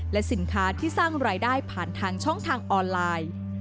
และสินค้าที่สร้างรายได้ผ่านทางช่องทางออนไลน์